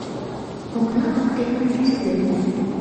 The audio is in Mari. Окна воктенак ӱстел.